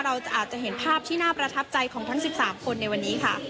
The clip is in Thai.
อาจจะเห็นภาพที่น่าประทับใจของทั้ง๑๓คนในวันนี้ค่ะ